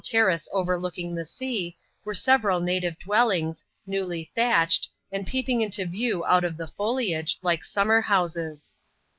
terrace oyerlooking tlie sea, were several native dwellings, newlj thatched, and peeping into view out of the foliage, like summer houses.